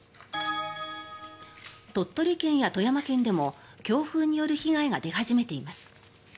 鳥取県や富山県でも強風による被害が出始めています。